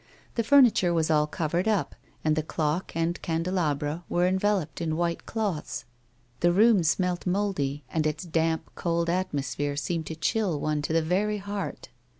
The furniture was all covei'ed up, and the clock and candelabra were enveloped in white cloths ; the room pmelt mouldy, and its damp, cold atmosphere seemed to chill one to the very heart.